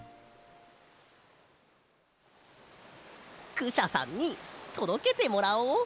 クシャさんにとどけてもらおう。